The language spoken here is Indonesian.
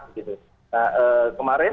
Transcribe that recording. nah kemarin sebelumnya